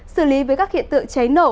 xử lý với các hiện tượng cháy nổ